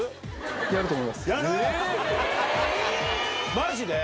マジで？